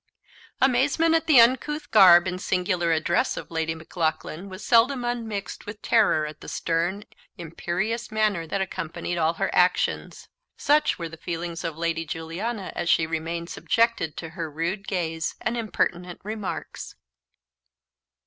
Amazement at the uncouth garb and singular address of Lady Maclaughlan was seldom unmixed with terror at the stern imperious manner that accompanied all her actions. Such were the feelings of Lady Juliana as she remained subjected to her rude gaze and impertinent remarks.